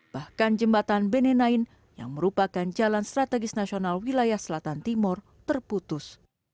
bahkan jembatan benenain yang merupakan jalan strategis nasional wilayah selatan timur terputus